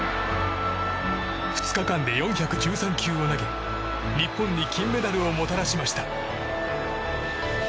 ２日間で４１３球を投げ日本に金メダルをもたらしました。